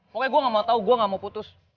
pokoknya gue gak mau tahu gue gak mau putus